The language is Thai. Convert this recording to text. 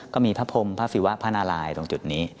ก็มีพระพรมพระศิวะพระนารายตรงจุดนี้